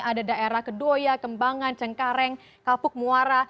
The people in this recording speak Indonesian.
ada daerah kedoya kembangan cengkareng kapuk muara